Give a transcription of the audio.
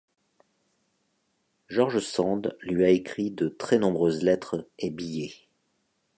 George Sand lui a écrit de très nombreuses lettres et billets.